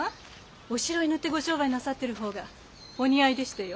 おしろい塗ってご商売なさってる方がお似合いでしてよ。